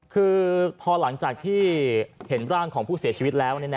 คือพอหลังจากที่เห็นร่างของผู้เสียชีวิตแล้ว